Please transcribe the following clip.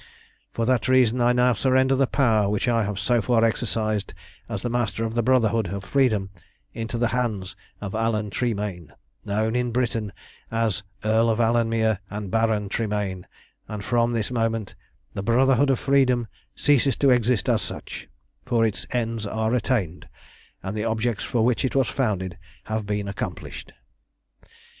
"For that reason I now surrender the power which I have so far exercised as the Master of the Brotherhood of Freedom into the hands of Alan Tremayne, known in Britain as Earl of Alanmere and Baron Tremayne, and from this moment the Brotherhood of Freedom ceases to exist as such, for its ends are attained, and the objects for which it was founded have been accomplished.